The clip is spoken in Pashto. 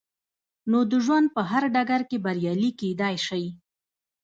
نو د ژوند په هر ډګر کې بريالي کېدای شئ.